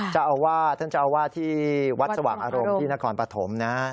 ท่านจะเอาว่าที่วัดสวัสดิ์อารมณ์ที่นครปฐมนะ